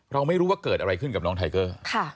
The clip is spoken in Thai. เราไม่รู้ว่าเกิดอะไรขึ้นกับน้องไทเกอร์